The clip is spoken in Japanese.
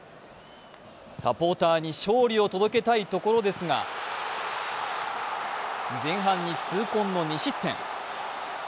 サポーターに勝利を届けたいところですが前半に痛恨の２失点。